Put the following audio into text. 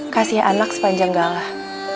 kasih anak sepanjang galah